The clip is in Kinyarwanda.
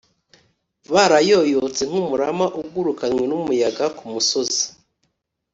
barayoyotse nk’umurama ugurukanywe n’umuyaga ku musozi,